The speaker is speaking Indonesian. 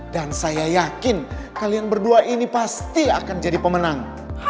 dan saya yakin kalian berdua ini pasti akan jadi pemenang